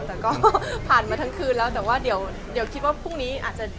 แต่ก็ผ่านมาทั้งคืนแล้วแต่ว่าเดี๋ยวคิดว่าพรุ่งนี้อาจจะ